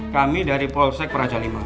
kami dari polsek praja v